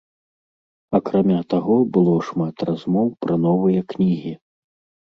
Акрамя таго, было шмат размоў пра новыя кнігі.